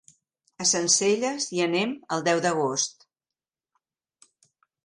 A Sencelles hi anem el deu d'agost.